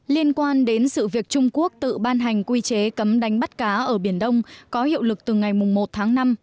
liên quan đến sự việc trung quốc tự ban hành quy chế cấm đánh bắt cá ở biển đông có hiệu lực từ ngày một tháng năm